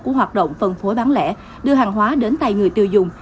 của hoạt động phân phối bán lẻ đưa hàng hóa đến tay người tiêu dùng